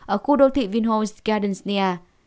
ở khu đô thị vinhomes gardens nia